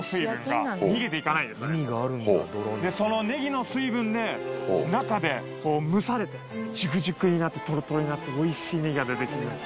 それででそのねぎの水分で中で蒸されてジクジクになってトロトロになっておいしいねぎが出てきます